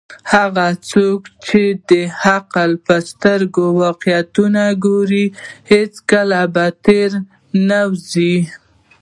هغه څوک چې د عقل په سترګو واقعیتونه ګوري، هیڅکله به تیر نه وزي.